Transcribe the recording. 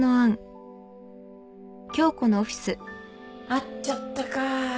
会っちゃったか。